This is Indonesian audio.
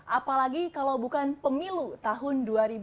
apalagi kalau bukan pemilu tahun dua ribu dua puluh